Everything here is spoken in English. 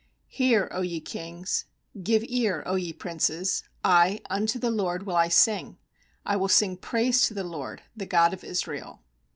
3Hear, O ye kings; give ear, 0 ye princes, I, unto the LORD will I sing; I will sing praise to the LORD, the God of Israel.